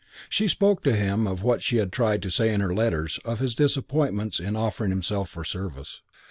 She spoke to him of what she had tried to say in her letters of his disappointments in offering himself for service.